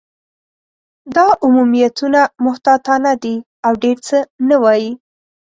دا عمومیتونه محتاطانه دي، او ډېر څه نه وايي.